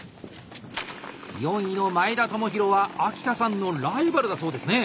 ４位の前田智広は秋田さんのライバルだそうですね。